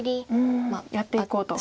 やっていこうと。